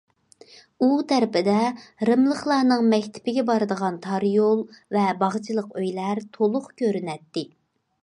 ئۇ تەرىپىدە رىملىقلارنىڭ مەكتىپىگە بارىدىغان تار يول ۋە باغچىلىق ئۆيلەر تولۇق كۆرۈنەتتى.